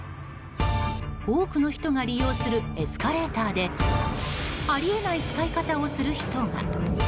多くの人が利用するエスカレーターであり得ない使い方をする人が。